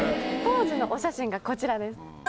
当時のお写真がこちらです。